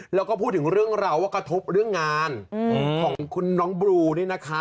แล้วก็พูดถึงเรื่องราวว่ากระทบเรื่องงานของคุณน้องบลูนี่นะคะ